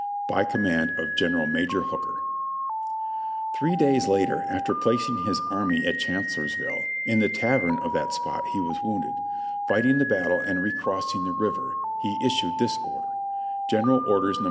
"By command of Major General Hooker." (Reb. Records^ Vol. 25, p. 171.) Three days later, after placing his army at Chancellorsville (in the tavern of that spot he was wounded), fighting the battle and recrossing the river, he issued this order: "General Orders, No.